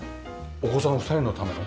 お子さん２人のための？